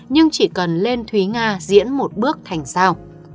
nhưng chỉ cần lên thúy nga diễn một bước thành sao